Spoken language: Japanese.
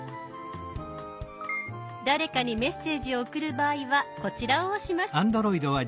誰かにメッセージを送る場合はこちらを押します。